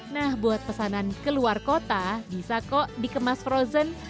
nah buat pesanan keluar kota bisa kok dikemas frozen